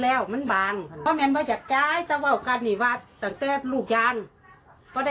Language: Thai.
เพราะมันสร้างเราได้วาดตู้เย็น